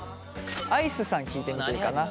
アイスさん聞いてみていいかな？